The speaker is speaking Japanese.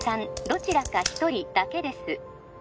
どちらか一人だけです